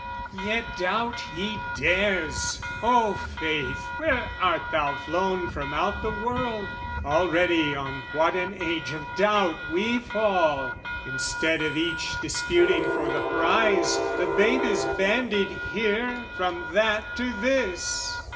Yet doubt he dares! O faith where art thou flown from out the world? Already on what an age of doubt we fall! Instead of each disputing for the prize, The babe is bandied here from that to this.